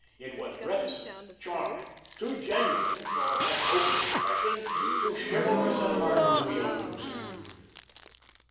It was reticent, charming, too genuine for much open expression, too chivalrous at heart to be obtrusive.